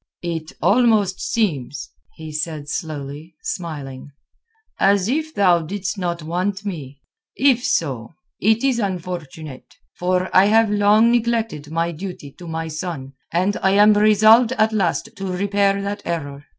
"It almost seems," he said slowly, smiling, "as if thou didst not want me. If so, it is unfortunate; for I have long neglected my duty to my son, and I am resolved at last to repair that error.